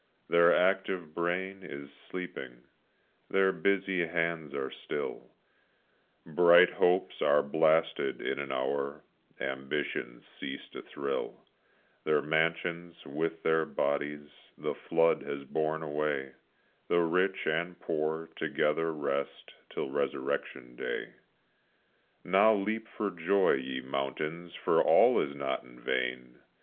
Their active brain is sleeping, their busy hands are still, Bright hopes are blasted in an hour, ambitions cease to thrill; Their mansions, with their bodies, the flood has borne away The rich and poor together rest till resurrection day. Now leap for joy, ye mountains, for all is not in vain!